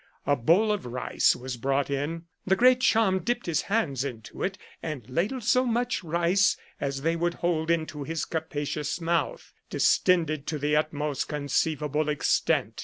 A bowl of rice was brought in. The Great Cham dipped his hands into it, and ladled so much rice as they would hold into his capacious mouth, distended to the utmost con ceivable extent.